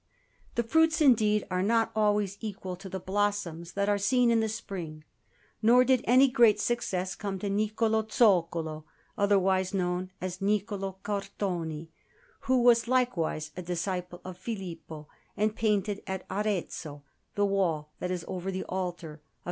The fruits, indeed, are not always equal to the blossoms that are seen in the spring. Nor did any great success come to Niccolò Zoccolo, otherwise known as Niccolò Cartoni, who was likewise a disciple of Filippo, and painted at Arezzo the wall that is over the altar of S.